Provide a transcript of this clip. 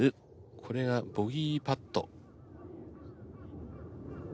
これがボギーパット。